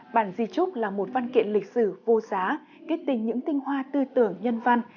bản di trúc là một văn kiện lịch sử vô giá kết tình những tinh hoa tư tưởng nhân văn